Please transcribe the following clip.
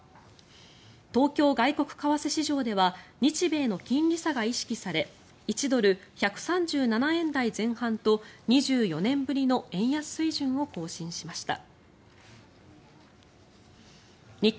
東京外国為替市場では日米の金利差が意識され１ドル＝１３７円台前半と２４年ぶりの円安水準を更新しました。